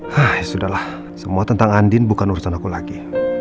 hah ya sudah lah semua tentang andin bukan urusan aku lagi